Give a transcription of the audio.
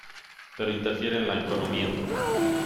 Pero interfiere en la economía.